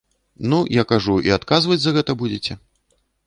Ну, я кажу, і адказваць за гэта будзеце.